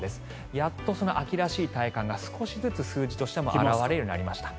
やっと秋らしい体感が少しずつ数字としても表れるようになりました。